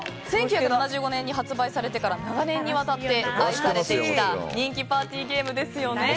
１９７５年に発売されてから長年にわたって愛されてきた人気パーティーゲームですよね。